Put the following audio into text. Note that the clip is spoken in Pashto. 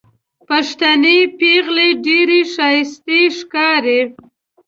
پښتنې پېغلې ډېرې ښايستې ښکاري